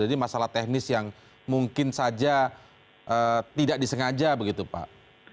jadi masalah teknis yang mungkin saja tidak disengaja begitu pak